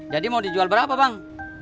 jadi mau dijual berapa bang